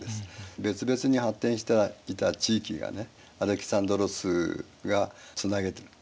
別々に発展していた地域がねアレクサンドロスがつなげてる。